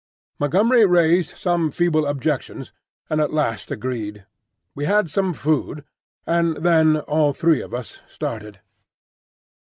Montgomery raised some feeble objections, and at last agreed. We had some food, and then all three of us started.